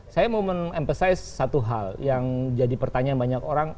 saya mau meng emphasize satu hal yang jadi pertanyaan banyak orang